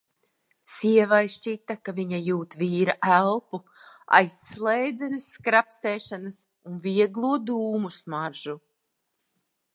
Sievai šķita, ka viņa jūt vīra elpu aiz slēdzenes skrapstēšanas un vieglo dūmu smaržu.